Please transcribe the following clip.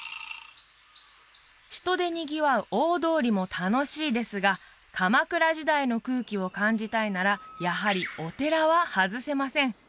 人でにぎわう大通りも楽しいですが鎌倉時代の空気を感じたいならやはりお寺は外せません